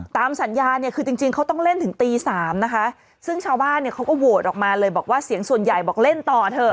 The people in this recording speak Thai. ตามสัญญาเนี่ยคือจริงจริงเขาต้องเล่นถึงตีสามนะคะซึ่งชาวบ้านเนี่ยเขาก็โหวตออกมาเลยบอกว่าเสียงส่วนใหญ่บอกเล่นต่อเถอะ